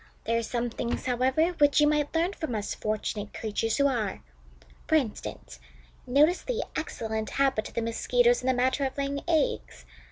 There are some things, however, which you might learn from us fortunate creatures who are. For instance, notice the excellent habit of the Mosquitoes in the matter of laying eggs.